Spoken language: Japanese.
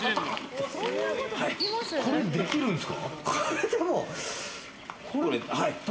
これできるんですか？